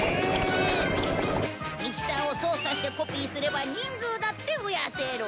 ミキサーを操作してコピーすれば人数だって増やせる。